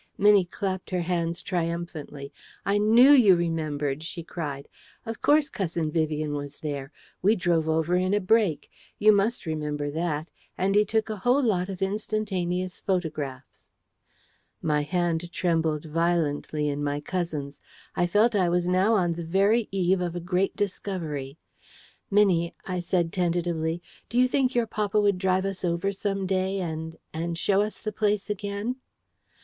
Minnie clapped her hands triumphantly. "I KNEW you remembered!" she cried. "Of course, Cousin Vivian was there. We drove over in a break. You MUST remember that. And he took a whole lot of instantaneous photographs." My hand trembled violently in my cousin's. I felt I was now on the very eve of a great discovery. "Minnie," I said, tentatively, "do you think your papa would drive us over some day and and show us the place again?"